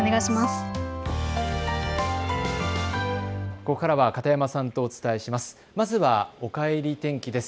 ここからは片山さんとお伝えします。